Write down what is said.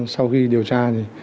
sau khi điều tra